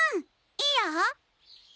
いいよ！